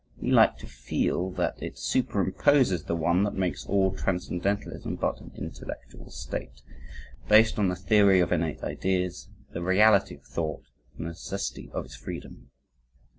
We like to feel that it superimposes the one that makes all transcendentalism but an intellectual state, based on the theory of innate ideas, the reality of thought and the necessity of its freedom.